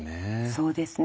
そうですね。